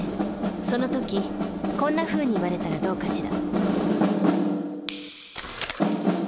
その時こんなふうに言われたらどうかしら？